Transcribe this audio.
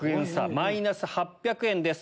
マイナス８００円です。